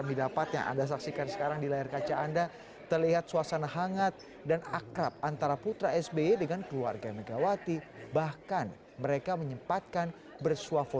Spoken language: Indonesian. bagi kepergian ibu ani yudhoyono